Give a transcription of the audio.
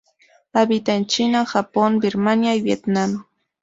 Habita en China, Japón, Birmania y Vietnam.